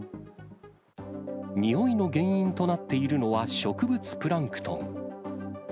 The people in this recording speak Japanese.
臭いの原因となっているのは植物プランクトン。